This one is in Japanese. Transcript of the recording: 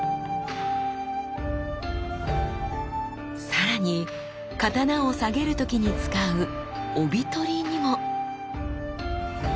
さらに刀をさげる時に使う帯執にも！